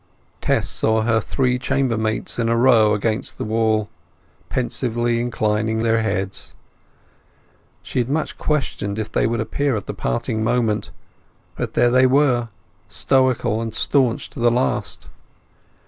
Tess saw her three chamber mates in a row against the wall, pensively inclining their heads. She had much questioned if they would appear at the parting moment; but there they were, stoical and staunch to the last.